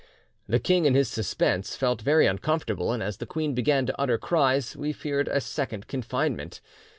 "'The king in his suspense felt very uncomfortable, and as the queen began to utter cries we feared a second confinement.